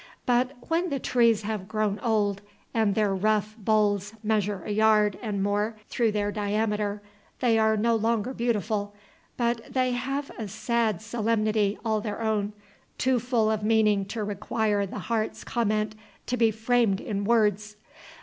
But when the trees have grown old, and their rough boles measure a yard and more through their diameter, they are no longer beautiful, but they have a sad solemnity all their own, too full of meaning to require the heart's comment to be framed in words.